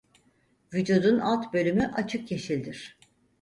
Vücudun alt bölümü açık yeşildir.